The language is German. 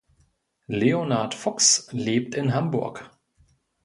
Leonard Fuchs lebt in Hamburg.